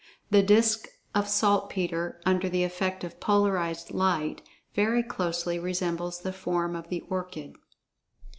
The disk of saltpeter,[Pg 47] under the effect of polarized light, very closely resembles the form of the orchid.